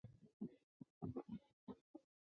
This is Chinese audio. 项目由担任执行制作人兼总监的田中弘道领导。